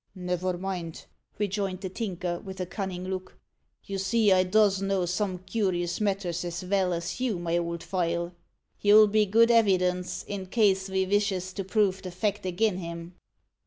"Never mind," rejoined the Tinker, with a cunning look; "you see I does know some cur'ous matters as veil as you, my old file. Yo'll be good evidence, in case ve vishes to prove the fact agin him."